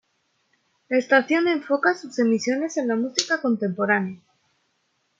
La estación enfoca sus emisiones en la música contemporánea.